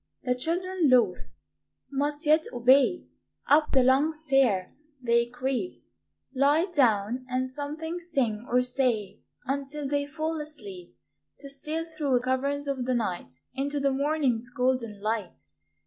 The children, loath, must yet obey; Up the long stair they creep; Lie down, and something sing or say Until they fall asleep, To steal through caverns of the night Into the morning's golden light.